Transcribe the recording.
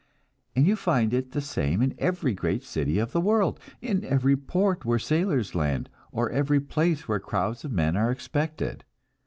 And you find it the same in every great city of the world; in every port where sailors land, or every place where crowds of men are expected.